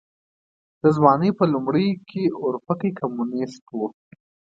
د ځوانۍ په لومړيو کې اورپکی کمونيسټ و.